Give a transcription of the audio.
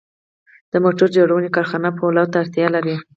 د موټر جوړونې کارخانه پولادو ته اړتیا لري